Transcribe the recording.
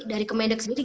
dari kemedek sendiri